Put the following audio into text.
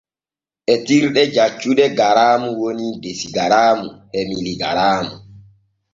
Etirɗe jaccuɗe garaamu woni desigaraamu e miligaraamu.